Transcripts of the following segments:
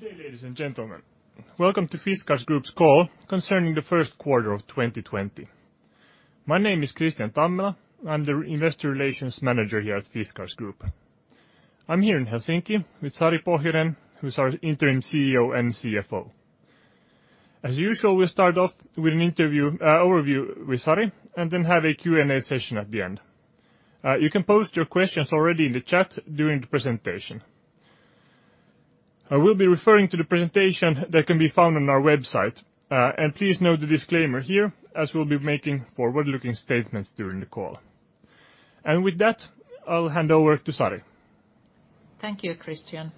Good day, ladies and gentlemen. Welcome to Fiskars Group's call concerning the first quarter of 2020. My name is Kristian Tammela. I'm the Investor Relations Manager here at Fiskars Group. I'm here in Helsinki with Sari Pohjonen, who's our Interim CEO and CFO. As usual, we'll start off with an overview with Sari, then have a Q&A session at the end. You can post your questions already in the chat during the presentation. I will be referring to the presentation that can be found on our website. Please note the disclaimer here, as we'll be making forward-looking statements during the call. With that, I'll hand over to Sari. Thank you, Kristian.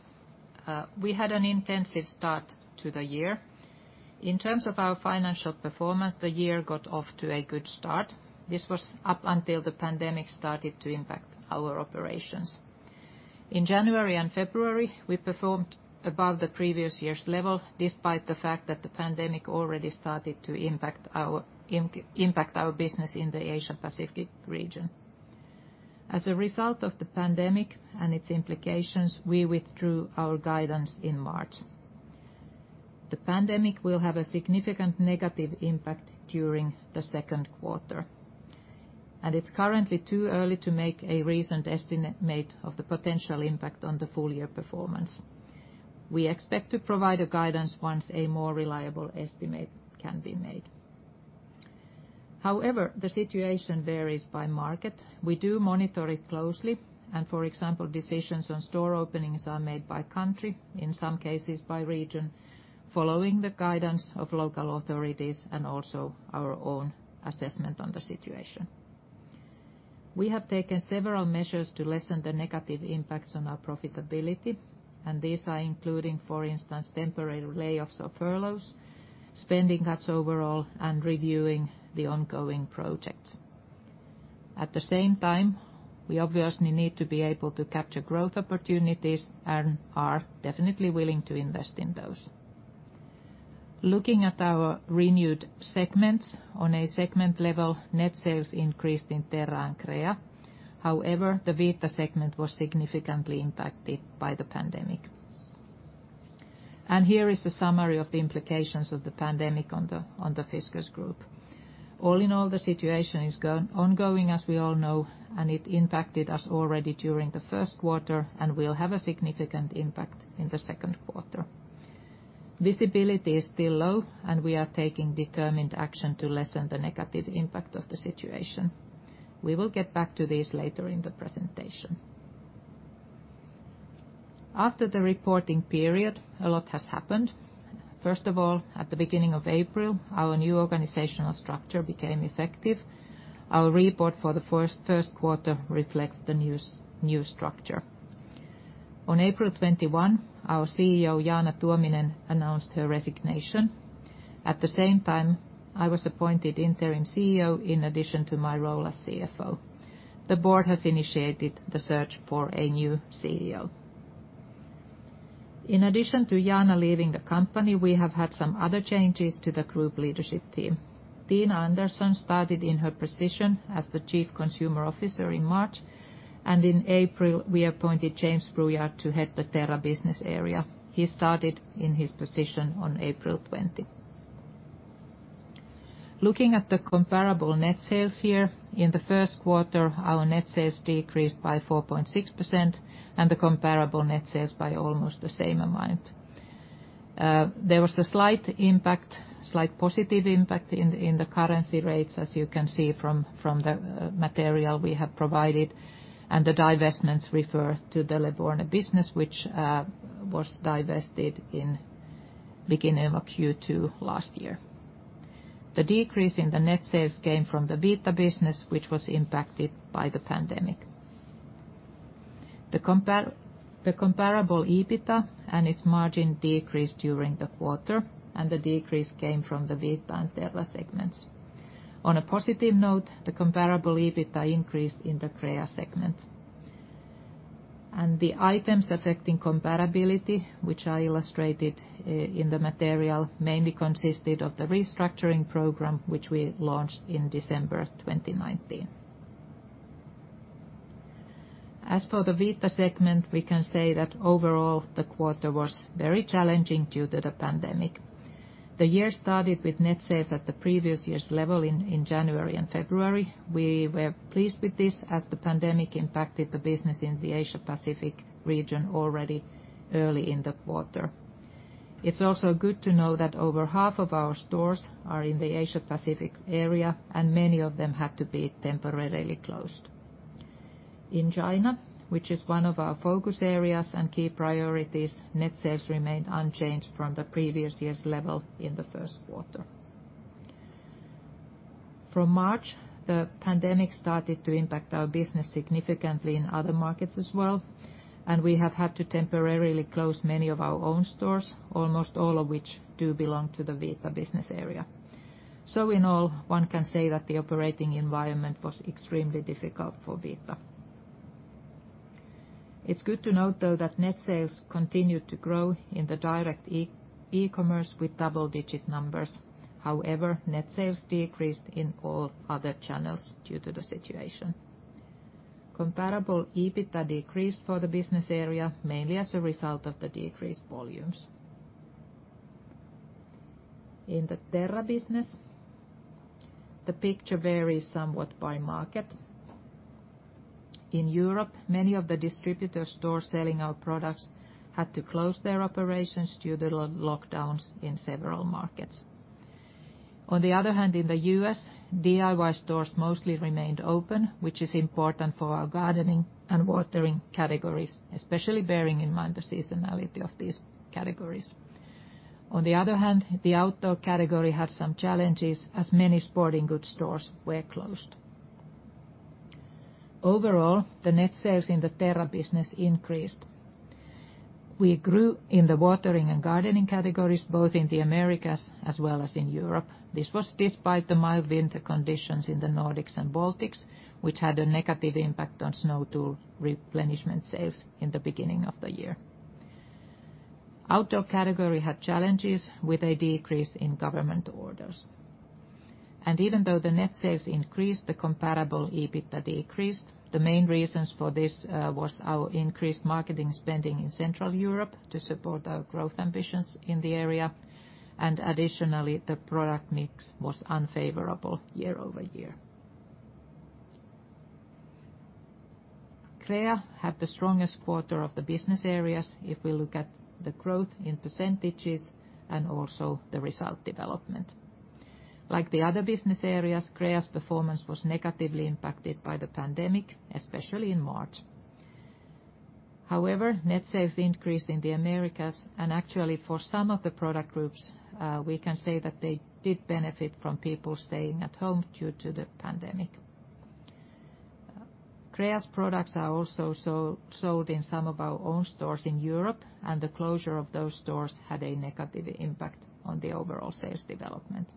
We had an intensive start to the year. In terms of our financial performance, the year got off to a good start. This was up until the pandemic started to impact our operations. In January and February, we performed above the previous year's level, despite the fact that the pandemic already started to impact our business in the Asia-Pacific region. As a result of the pandemic and its implications, we withdrew our guidance in March. The pandemic will have a significant negative impact during the second quarter, and it's currently too early to make a reasoned estimate of the potential impact on the full year performance. We expect to provide a guidance once a more reliable estimate can be made. However, the situation varies by market. We do monitor it closely, for example, decisions on store openings are made by country, in some cases by region, following the guidance of local authorities and also our own assessment on the situation. We have taken several measures to lessen the negative impacts on our profitability, these are including, for instance, temporary layoffs or furloughs, spending cuts overall, and reviewing the ongoing projects. At the same time, we obviously need to be able to capture growth opportunities and are definitely willing to invest in those. Looking at our renewed segments, on a segment level, net sales increased in Terra and Crea. However, the Vita segment was significantly impacted by the pandemic. Here is a summary of the implications of the pandemic on the Fiskars Group. All in all, the situation is ongoing, as we all know, it impacted us already during the first quarter and will have a significant impact in the second quarter. Visibility is still low, we are taking determined action to lessen the negative impact of the situation. We will get back to this later in the presentation. After the reporting period, a lot has happened. First of all, at the beginning of April, our new organizational structure became effective. Our report for the first quarter reflects the new structure. On April 21, our CEO, Jaana Tuominen, announced her resignation. At the same time, I was appointed Interim CEO in addition to my role as CFO. The board has initiated the search for a new CEO. In addition to Jaana leaving the company, we have had some other changes to the group leadership team. Tina Andersson started in her position as the Chief Consumer Officer in March. In April, we appointed James Brouillard to head the Terra business area. He started in his position on April 20. Looking at the comparable net sales here, in the first quarter, our net sales decreased by 4.6%, and the comparable net sales by almost the same amount. There was a slight positive impact in the currency rates, as you can see from the material we have provided. The divestments refer to the Leborgne business, which was divested in beginning of Q2 last year. The decrease in the net sales came from the Vita business, which was impacted by the pandemic. The comparable EBITDA and its margin decreased during the quarter. The decrease came from the Vita and Terra segments. On a positive note, the comparable EBITDA increased in the Crea segment. The items affecting comparability, which I illustrated in the material, mainly consisted of the restructuring program, which we launched in December 2019. As for the Vita segment, we can say that overall, the quarter was very challenging due to the pandemic. The year started with net sales at the previous year's level in January and February. We were pleased with this as the pandemic impacted the business in the Asia-Pacific region already early in the quarter. It's also good to know that over half of our stores are in the Asia-Pacific area, and many of them had to be temporarily closed. In China, which is one of our focus areas and key priorities, net sales remained unchanged from the previous year's level in the first quarter. From March, the pandemic started to impact our business significantly in other markets as well. We have had to temporarily close many of our own stores, almost all of which do belong to the Vita business area. In all, one can say that the operating environment was extremely difficult for Vita. It's good to note, though, that net sales continued to grow in the direct e-commerce with double-digit numbers. However, net sales decreased in all other channels due to the situation. Comparable EBITDA decreased for the business area, mainly as a result of the decreased volumes. In the Terra business, the picture varies somewhat by market. In Europe, many of the distributor stores selling our products had to close their operations due to lockdowns in several markets. On the other hand, in the U.S., DIY stores mostly remained open, which is important for our gardening and watering categories, especially bearing in mind the seasonality of these categories. On the other hand, the outdoor category had some challenges as many sporting goods stores were closed. Overall, the net sales in the Terra business increased. We grew in the watering and gardening categories, both in the Americas as well as in Europe. This was despite the mild winter conditions in the Nordics and Baltics, which had a negative impact on snow tool replenishment sales in the beginning of the year. Outdoor category had challenges with a decrease in government orders. Even though the net sales increased, the comparable EBITDA decreased. The main reasons for this was our increased marketing spending in Central Europe to support our growth ambitions in the area. Additionally, the product mix was unfavorable year-over-year. Crea had the strongest quarter of the business areas if we look at the growth in percentages and also the result development. Like the other business areas, Crea's performance was negatively impacted by the pandemic, especially in March. However, net sales increased in the Americas, and actually for some of the product groups, we can say that they did benefit from people staying at home due to the pandemic. Crea's products are also sold in some of our own stores in Europe, and the closure of those stores had a negative impact on the overall sales development.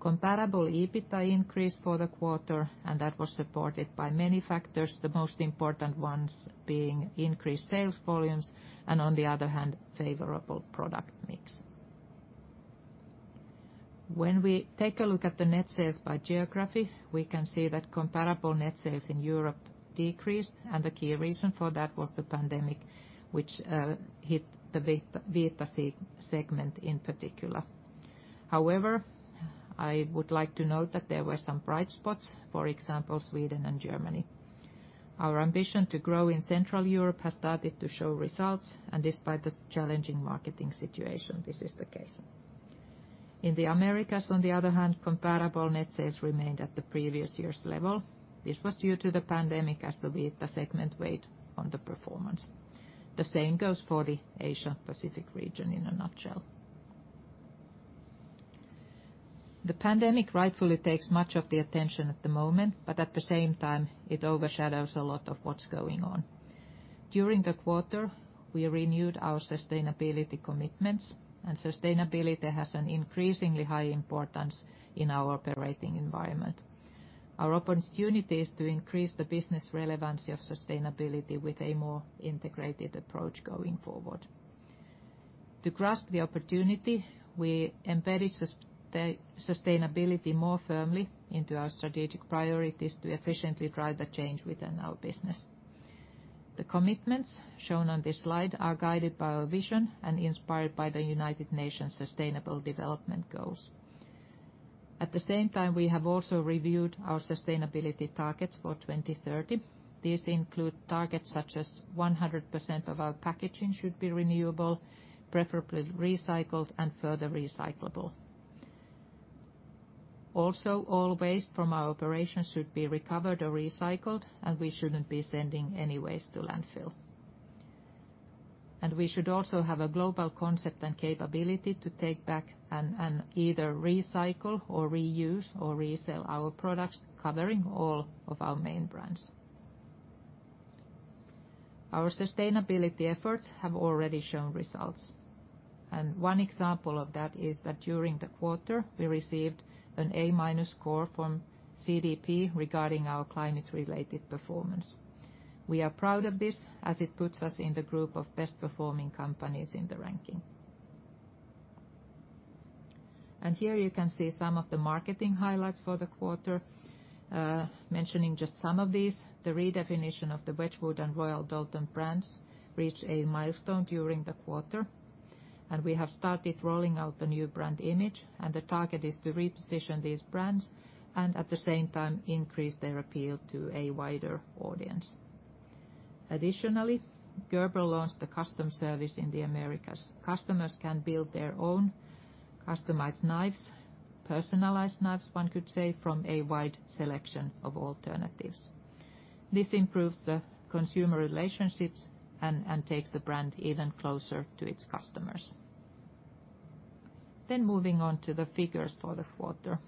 Comparable EBITDA increased for the quarter. That was supported by many factors, the most important ones being increased sales volumes, and on the other hand, favorable product mix. When we take a look at the net sales by geography, we can see that comparable net sales in Europe decreased. The key reason for that was the pandemic, which hit the Vita segment in particular. However, I would like to note that there were some bright spots. For example, Sweden and Germany. Our ambition to grow in Central Europe has started to show results, and despite the challenging marketing situation, this is the case. In the Americas, on the other hand, comparable net sales remained at the previous year's level. This was due to the pandemic as the Vita segment weighed on the performance. The same goes for the Asia-Pacific region in a nutshell. The pandemic rightfully takes much of the attention at the moment. At the same time, it overshadows a lot of what's going on. During the quarter, we renewed our sustainability commitments. Sustainability has an increasingly high importance in our operating environment. Our opportunity is to increase the business relevancy of sustainability with a more integrated approach going forward. To grasp the opportunity, we embedded sustainability more firmly into our strategic priorities to efficiently drive the change within our business. The commitments shown on this slide are guided by our vision and inspired by the United Nations Sustainable Development Goals. At the same time, we have also reviewed our sustainability targets for 2030. These include targets such as 100% of our packaging should be renewable, preferably recycled and further recyclable. Also, all waste from our operations should be recovered or recycled, and we shouldn't be sending any waste to landfill. We should also have a global concept and capability to take back and either recycle or reuse or resell our products covering all of our main brands. Our sustainability efforts have already shown results. One example of that is that during the quarter, we received an A-minus score from CDP regarding our climate-related performance. We are proud of this as it puts us in the group of best-performing companies in the ranking. Here you can see some of the marketing highlights for the quarter, mentioning just some of these, the redefinition of the Wedgwood and Royal Doulton brands reached a milestone during the quarter. We have started rolling out the new brand image, and the target is to reposition these brands and at the same time increase their appeal to a wider audience. Additionally, Gerber launched a custom service in the Americas. Customers can build their own customized knives, personalized knives, one could say, from a wide selection of alternatives. This improves the consumer relationships and takes the brand even closer to its customers. Moving on to the figures for the quarter.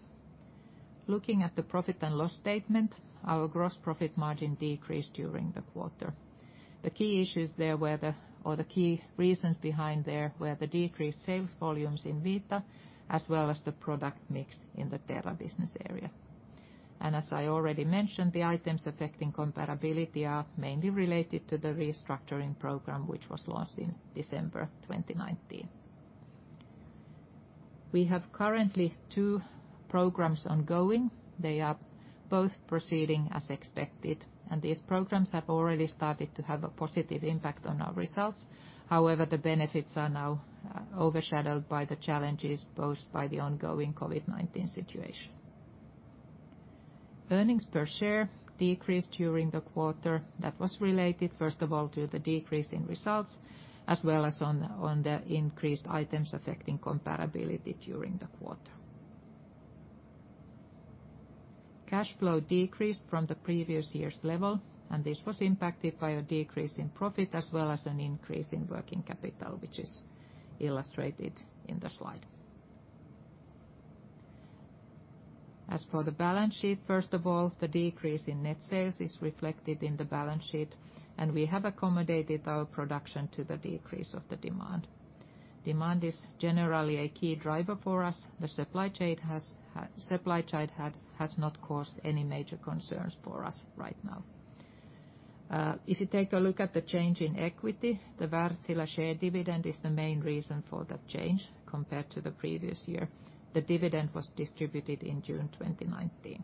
Looking at the profit and loss statement, our gross profit margin decreased during the quarter. The key issues there were the key reasons behind there were the decreased sales volumes in Vita, as well as the product mix in the Terra business area. As I already mentioned, the items affecting comparability are mainly related to the restructuring program, which was launched in December 2019. We have currently two programs ongoing. They are both proceeding as expected, and these programs have already started to have a positive impact on our results. However, the benefits are now overshadowed by the challenges posed by the ongoing COVID-19 situation. Earnings per share decreased during the quarter. That was related, first of all, to the decrease in results, as well as on the increased items affecting comparability during the quarter. Cash flow decreased from the previous year's level. This was impacted by a decrease in profit, as well as an increase in working capital, which is illustrated in the slide. As for the balance sheet, first of all, the decrease in net sales is reflected in the balance sheet. We have accommodated our production to the decrease of the demand. Demand is generally a key driver for us. The supply chain has not caused any major concerns for us right now. If you take a look at the change in equity, the Wärtsilä share dividend is the main reason for that change compared to the previous year. The dividend was distributed in June 2019.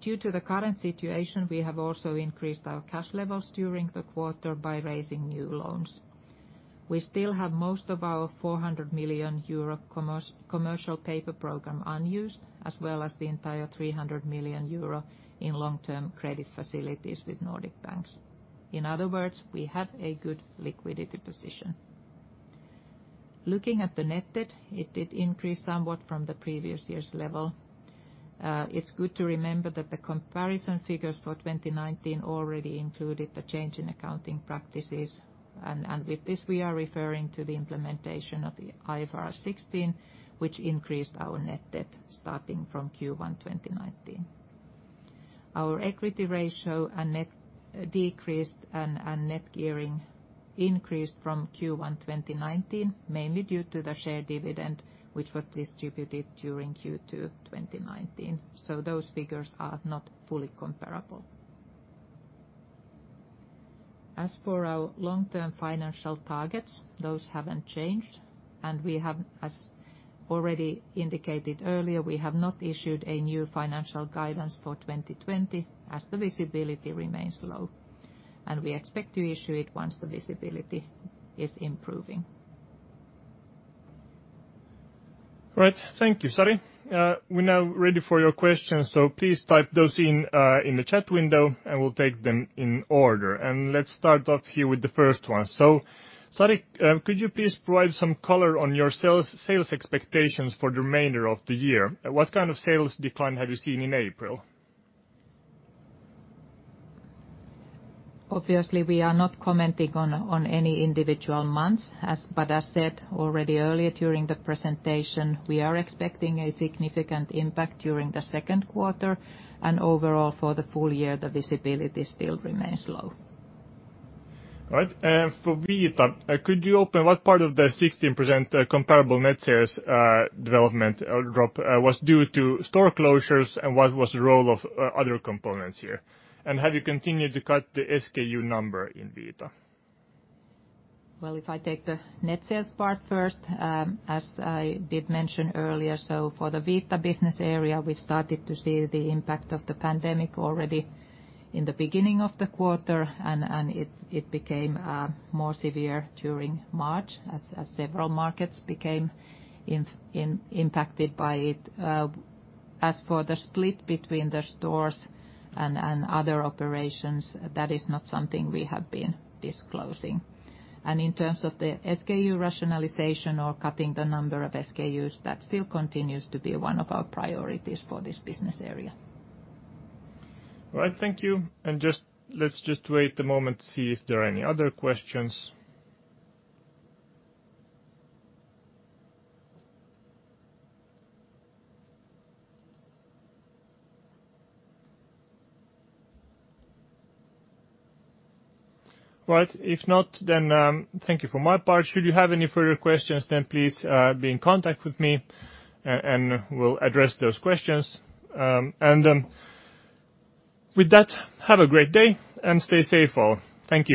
Due to the current situation, we have also increased our cash levels during the quarter by raising new loans. We still have most of our 400 million euro commercial paper program unused, as well as the entire 300 million euro in long-term credit facilities with Nordic banks. In other words, we have a good liquidity position. Looking at the net debt, it did increase somewhat from the previous year's level. It's good to remember that the comparison figures for 2019 already included the change in accounting practices. With this, we are referring to the implementation of the IFRS 16, which increased our net debt starting from Q1 2019. Our equity ratio decreased and net gearing increased from Q1 2019, mainly due to the share dividend, which was distributed during Q2 2019. Those figures are not fully comparable. As for our long-term financial targets, those haven't changed. As already indicated earlier, we have not issued a new financial guidance for 2020 as the visibility remains low. We expect to issue it once the visibility is improving. Right. Thank you, Sari. We are now ready for your questions, please type those in the chat window and we will take them in order. Let's start off here with the first one. Sari, could you please provide some color on your sales expectations for the remainder of the year? What kind of sales decline have you seen in April? Obviously, we are not commenting on any individual months, but as said already earlier during the presentation, we are expecting a significant impact during the second quarter. Overall, for the full year, the visibility still remains low. All right, for Vita, could you open what part of the 16% comparable net sales development drop was due to store closures, and what was the role of other components here? Have you continued to cut the SKU number in Vita? Well, if I take the net sales part first, as I did mention earlier, for the Vita business area, we started to see the impact of the pandemic already in the beginning of the quarter, and it became more severe during March as several markets became impacted by it. As for the split between the stores and other operations, that is not something we have been disclosing. In terms of the SKU rationalization or cutting the number of SKUs, that still continues to be one of our priorities for this business area. All right, thank you. Let's just wait a moment to see if there are any other questions. Right. If not, then thank you for my part. Should you have any further questions, then please be in contact with me, and we'll address those questions. With that, have a great day and stay safe all. Thank you